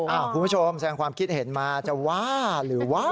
คุณผู้ชมแสดงความคิดเห็นมาจะว่าหรือว่า